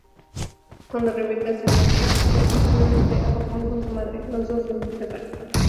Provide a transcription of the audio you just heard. Cuando Rebecca se marcha repentinamente a Japón con su madre, los dos se separan.